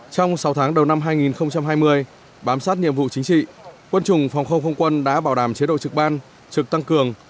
trong sáu tháng đầu năm hai nghìn hai mươi bám sát nhiệm vụ chính trị quân chủng phòng không không quân đã bảo đảm chế độ trực ban trực tăng cường